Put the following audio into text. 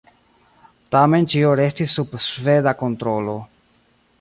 Tamen ĉio restis sub sveda kontrolo.